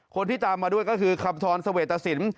คนที่ตามมาด้วยก็คือคำธรรณสเวทศิลป์